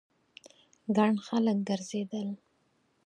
ګڼ خلک ګرځېدل.